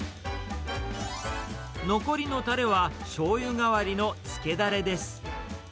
残りのたれはしょうゆ代わりのつけだれです。